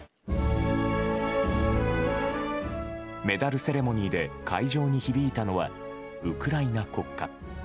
メダルセレモニーで会場に響いたのはウクライナ国歌。